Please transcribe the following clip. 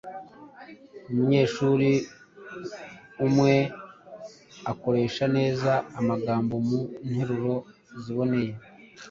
Umunyeshuri umwumwe akoresha neza amagambo mu nteruro ziboneye